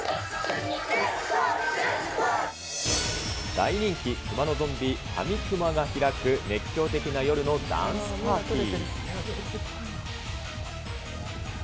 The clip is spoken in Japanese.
大人気、熊のゾンビ、かみくまが開く、熱狂的な夜のダンスパーティー。